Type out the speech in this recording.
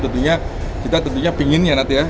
tentunya kita tentunya pingin ya nanti ya